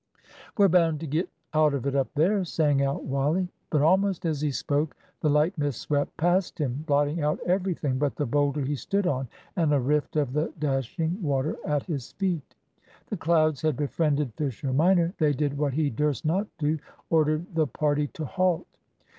"We're bound to get out of it up there," sang out Wally. But almost as he spoke the light mist swept past him, blotting out everything but the boulder he stood on and a rift of the dashing water at his feet. The clouds had befriended Fisher minor. They did what he durst not do; ordered the party to halt.